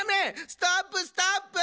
ストップストップ！